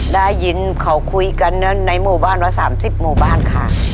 ได้ยินเขาคุยกันในหมู่บ้านละ๓๐หมู่บ้านค่ะ